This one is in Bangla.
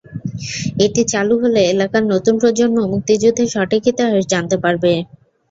এটি চালু হলে এলাকার নতুন প্রজন্ম মুক্তিযুদ্ধের সঠিক ইতিহাস জানতে পারবে।